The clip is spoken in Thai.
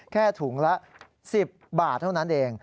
แค่ถุงละ๑๐บาทเท่านั้นเอง